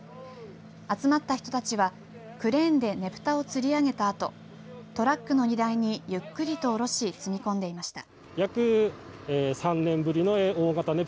集まった人たちはクレーンでねぷたをつり上げたあとトラックの荷台にゆっくりと下ろし積み込んでいました。